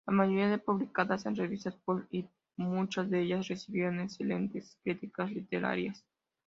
La mayoría publicadas en revistas pulp y muchas de ellas recibieron excelentes críticas literarias.